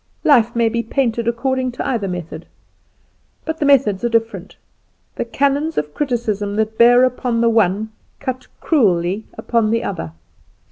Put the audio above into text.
Life may be painted according to either method; but the methods are different. The canons of criticism that bear upon the one cut cruelly upon the other.